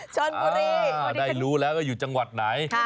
ชนบุรีได้รู้แล้วว่าอยู่จังหวัดไหน